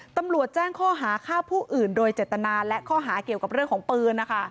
ตำรวจแจ้งข้อหาฆ่าผู้อื่นโดยเจตนาและข้อหาเกี่ยวกับเรื่องของปืนนะคะ